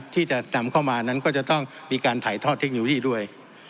ที่จะนำเข้ามานั้นก็จะต้องมีการถ่ายทอดเทคโนโลยีด้วย